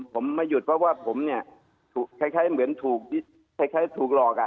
ผมไม่หยุดเพราะว่าผมเนี่ยคล้ายเหมือนถูกหลอกอ่ะ